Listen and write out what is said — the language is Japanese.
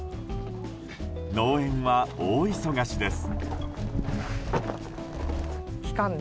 農園は大忙しです。